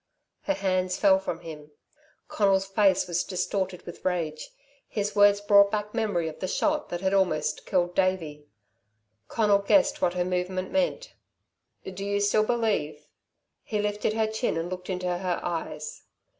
Her hands fell from him. Conal's face was distorted with rage. His words brought back memory of the shot that had almost killed Davey. Conal guessed what her movement meant. "Do you still believe" he lifted her chin and looked into her eyes.